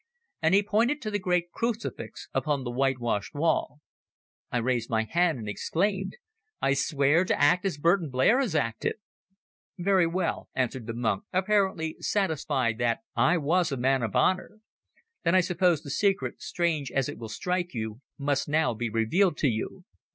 And he pointed to the great crucifix upon the white washed wall. I raised my hand and exclaimed "I swear to act as Burton Blair has acted." "Very well," answered the monk, apparently satisfied that I was a man of honour. "Then I suppose the secret, strange as it will strike you, must now be revealed to you.